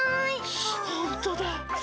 ほんとだ！